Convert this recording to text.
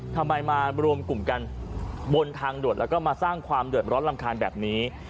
ทำไมมารวมกลุ่มกันบนทางด่วนแล้วก็มาสร้างความเดือดร้อนรำคาญแบบนี้